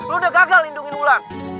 lu udah gagal lindungin ulang